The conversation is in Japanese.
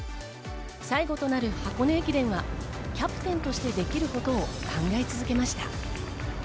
最後となる箱根駅伝はキャプテンとしてできることを考え続けました。